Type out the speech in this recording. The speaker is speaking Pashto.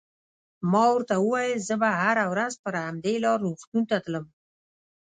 ما ورته وویل: زه به هره ورځ پر همدې لار روغتون ته تلم.